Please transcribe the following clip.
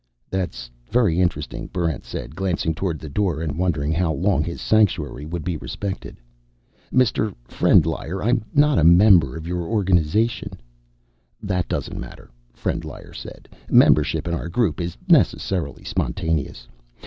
"That's very interesting," Barrent said, glancing toward the door and wondering how long his sanctuary would be respected. "Mr. Frendlyer, I'm not a member of your organization " "That doesn't matter," Frendlyer said. "Membership in our group is necessarily spontaneous.